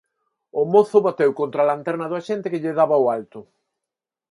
O mozo bateu contra a lanterna do axente que lle daba o alto.